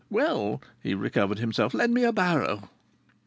"Well," he recovered himself. "Lend me a barrow."